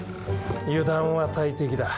油断は大敵だ。